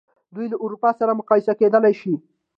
دوی له اروپا سره مقایسه کېدلای شي.